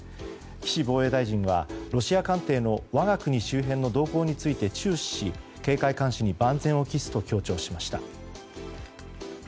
岸防衛大臣はロシア艦艇の我が国周辺の動向について注視し警戒監視に万全を期すと強調しました。